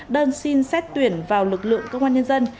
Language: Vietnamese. đơn xin xét tuyển vào lực lượng công an nhân dân